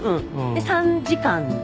で３時間で。